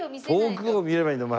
遠くを見ればいいんだよ。